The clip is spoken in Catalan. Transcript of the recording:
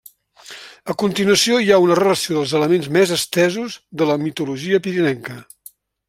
A continuació hi ha una relació dels elements més estesos de la mitologia pirinenca.